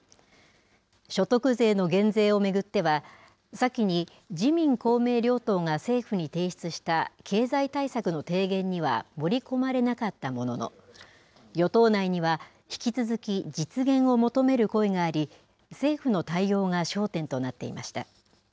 所得税の減税を巡っては先に自民・公明両党が政府に提出した経済対策の提言には盛り込まれなかったものの与党内には引き続き実現を求める声があり政府の対応が焦点となっていました。